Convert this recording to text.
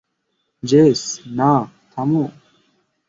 JS, না, থামো।